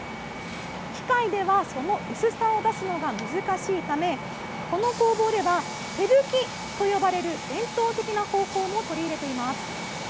機械ではその薄さを出すのが難しいため、この工房では、手吹きと呼ばれる伝統的な方法を取り入れています。